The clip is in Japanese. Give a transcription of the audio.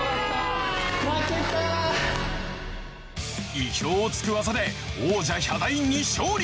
意表を突く技で王者ヒャダインに勝利。